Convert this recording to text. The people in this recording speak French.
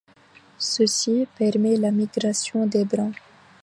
Ceci permet la migration des brins.